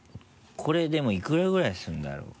これでもいくらぐらいするんだろう？